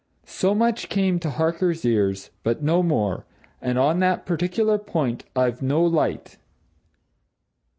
So much came to Harker's ears but no more, and on that particular point I've no light.